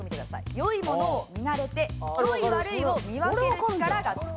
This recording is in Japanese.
良いものを見慣れて良い悪いを見分ける力がつく。